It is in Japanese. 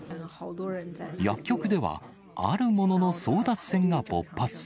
薬局では、あるものの争奪戦が勃発。